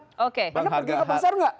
anda pergi ke pasar nggak